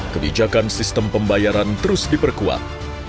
kebijakan sistem pembayaran terus diperkuat